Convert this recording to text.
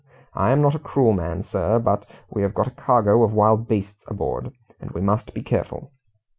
I am not a cruel man, sir, but we have got a cargo of wild beasts aboard, and we must be careful."